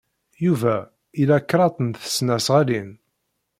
Yuba ila kraḍt n tesnasɣalin.